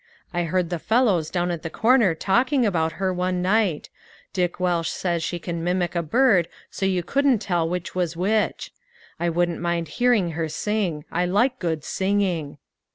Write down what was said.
I heard the fellows down at the corner talking about her one night ; Dick Welsh says she can mimic a bird so you couldn't tell which was which. I wouldn't mind hearing her sing. I like good singing."